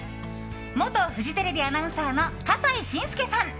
元フジテレビアナウンサーの笠井信輔さん。